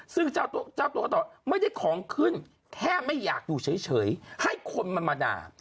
ซึ่งเจ้าตัวต่อไม่ได้ของขึ้นแทบไม่อยากดูเฉยเฉยให้คนมามนา